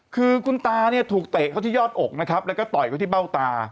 คือคุณตาเนี่ยถูกเตะเขาที่ยอดอกนะครับแล้วก็ต่อยเขาที่เบ้าตา